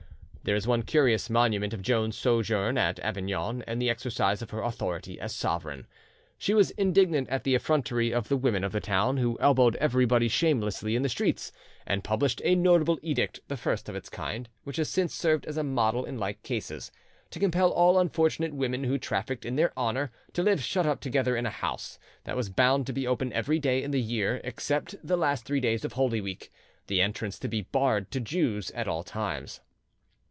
There is one curious monument of Joan's sojourn at Avignon and the exercise of her authority as sovereign. She was indignant at the effrontery of the women of the town, who elbowed everybody shamelessly in the streets, and published a notable edict, the first of its kind, which has since served as a model in like cases, to compel all unfortunate women who trafficked in their honour to live shut up together in a house, that was bound to be open every day in the year except the last three days of Holy Week, the entrance to be barred to Jews at all times.